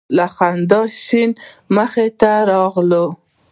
له خندا شنه مخې ته راغله